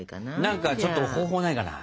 何かちょっと方法ないかな？